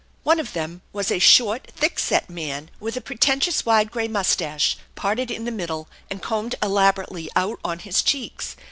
One of them was a short, thick set man with a pretentious wide gray mustache parted in the middle and combed elaborately out on his cheeks.